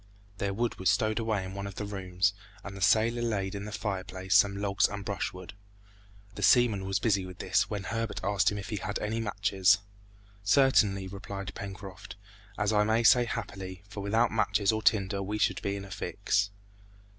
Their wood was stowed away in one of the rooms, and the sailor laid in the fireplace some logs and brushwood. The seaman was busy with this, when Herbert asked him if he had any matches. "Certainly," replied Pencroft, "and I may say happily, for without matches or tinder we should be in a fix."